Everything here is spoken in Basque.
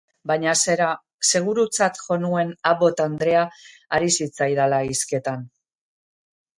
Baina, zera, segurutzat jo nuen Abbot andrea ari zitzaidala hizketan.